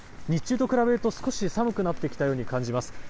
日中と比べると少し寒くなってきたように感じます。